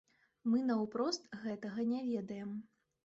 Мы наўпрост гэтага не ведаем.